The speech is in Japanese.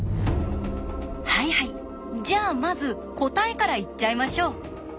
はいはいじゃあまず答えから言っちゃいましょう。